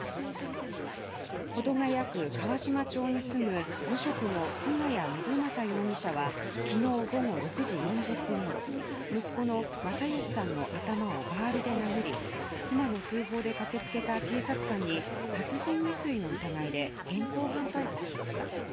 保土ケ谷区川島町に住む無職の菅谷信正容疑者は昨日午後６時４０分ごろ息子の昌良さんの頭をバールで殴り妻の通報で駆け付けた警察官に殺人未遂の疑いで現行犯逮捕されました。